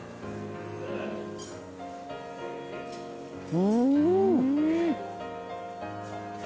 うん。